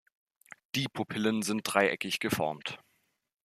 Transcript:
Die Pupillen sind dreieckig geformt.